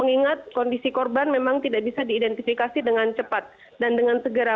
mengingat kondisi korban memang tidak bisa diidentifikasi dengan cepat dan dengan segera